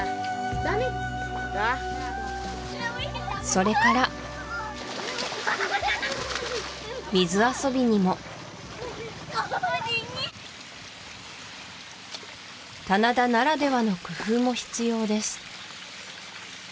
それから水遊びにも棚田ならではの工夫も必要です